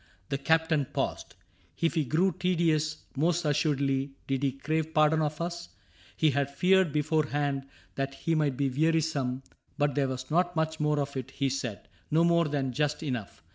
The Captain paused : If he grew tedious, most assuredly Did he crave pardon of us ; he had feared Beforehand that he might be wearisome, But there was not much more of it, he said, — No more than just enough.